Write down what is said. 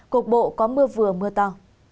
cột bộ có mưa vừa mưa to